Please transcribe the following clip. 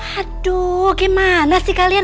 aduh gimana sih kalian